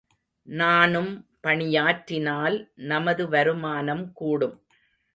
நானும் பணியாற்றினால், நமது வருமானம் கூடும்.